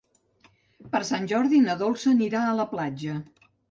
Per Sant Jordi na Dolça anirà a la platja.